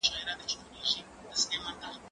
هغه څوک چي سندري اوري خوشاله وي،